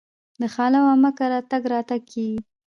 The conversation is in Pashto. د خاله او عمه کره تګ راتګ کیږي.